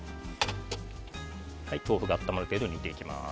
豆腐が温まる程度に煮ていきます。